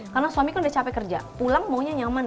karena suami kan udah capek kerja pulang maunya nyaman aja ya kan